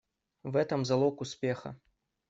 В этом залог успеха.